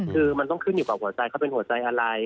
คือมันต้องขึ้นอยู่กับหัวใจเขาเป็นหัวใจอะไร